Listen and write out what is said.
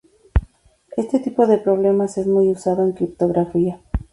Este tipo de problemas es muy usado en criptografía.